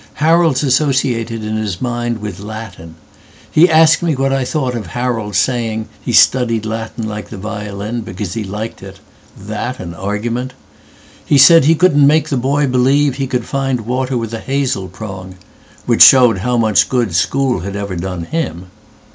Harold's associated in his mind with Latin.He asked me what I thought of Harold's sayingHe studied Latin like the violinBecause he liked it—that an argument! He said he couldn't make the boy believeHe could find water with a hazel prong—Which showed how much good school had ever done him.